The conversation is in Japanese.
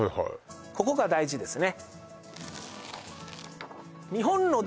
ここが大事ですね